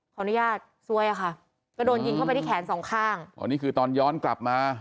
ขออนุญาตซวยอะค่ะก็โดนยิงเข้าไปที่แขนสองข้างอ๋อนี่คือตอนย้อนกลับมา